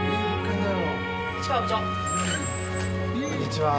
こんにちは。